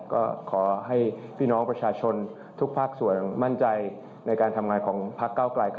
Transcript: ก็ขอให้พี่น้องประชาชนทุกภาคส่วนมั่นใจในการทำงานของพักเก้าไกล